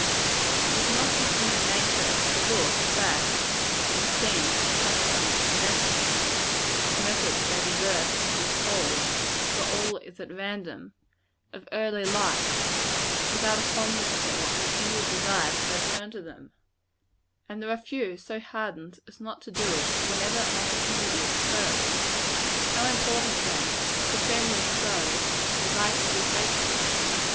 It is not in human nature, to look back to the scenes, and customs, and methods if methods they deserve to be called, where all is at random of early life, without a fondness for, and an inward desire to return to them; and there are few so hardened as not to do it whenever an opportunity occurs. How important, then how supremely so is right education!